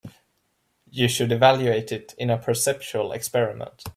You should evaluate it in a perceptual experiment.